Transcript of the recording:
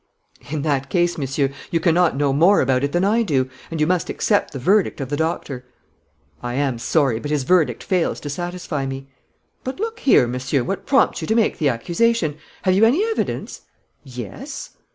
"In that case, Monsieur, you cannot know more about it than I do, and you must accept the verdict of the doctor." "I am sorry, but his verdict fails to satisfy me." "But look here, Monsieur, what prompts you to make the accusation? Have you any evidence?" "Yes."